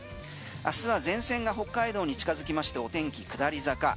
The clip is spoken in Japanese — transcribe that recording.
明日は前線が北海道に近づきましてお天気下り坂。